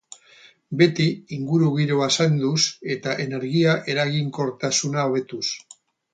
Beti ingurugiroa zainduz eta energia-eraginkortasuna hobetuz.